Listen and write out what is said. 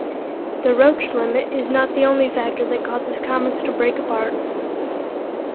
The Roche limit is not the only factor that causes comets to break apart.